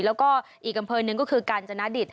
แล้วก็อีกอำเภอหนึ่งก็คือกาญจนดิต